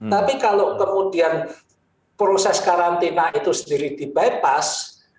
tapi kalau kemudian proses karantina itu sendiri di bypass